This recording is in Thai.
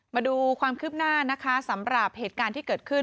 มาดูความคืบหน้านะคะสำหรับเหตุการณ์ที่เกิดขึ้น